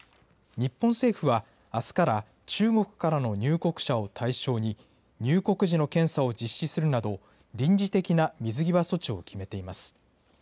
日本政府は、あすから、中国からの入国者を対象に、入国時の検査を実施するなど、臨時的な水際措置を決めています。